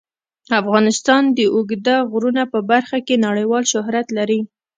افغانستان د اوږده غرونه په برخه کې نړیوال شهرت لري.